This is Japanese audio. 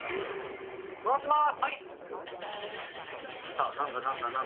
回します！